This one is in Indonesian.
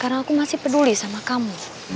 karena aku masih peduli sama kamu